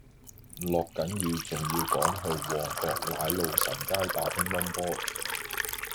落緊雨仲要趕住去旺角奶路臣街打乒乓波